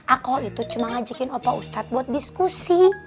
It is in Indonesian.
aku itu cuma ngajakin opa ustadz buat diskusi